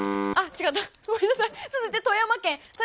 続いて、富山県。